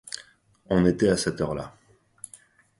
On était à cette heure-là.